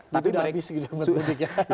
tapi sudah habis gitu mudiknya